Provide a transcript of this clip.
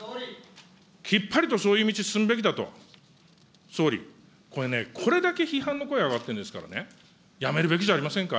きっぱりとそういう道進むべきだと、総理、これね、これだけ批判の声上がってるんですからね、やめるべきじゃありませんか。